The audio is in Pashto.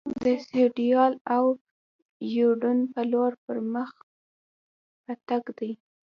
د سیوایډل او یوډین په لور پر مخ په تګ دي.